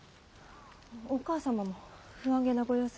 お義母様も不安げなご様子で。